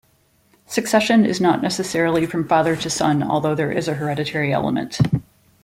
Succession is not necessarily from father to son, although there is a hereditary element.